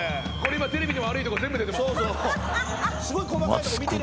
今テレビの悪いとこ全部出てます。